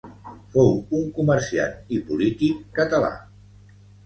Fou un comerciant i polític català.